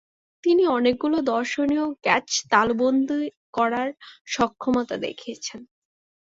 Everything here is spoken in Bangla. তিনি অনেকগুলো দর্শনীয় ক্যাচ তালুবন্দী করার সক্ষমতা দেখিয়েছেন।